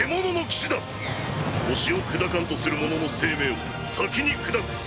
惑星を砕かんとする者の生命を先に砕く。